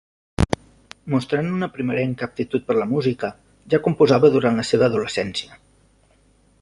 Mostrant una primerenca aptitud per a la música, ja composava durant la seva adolescència.